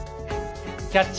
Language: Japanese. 「キャッチ！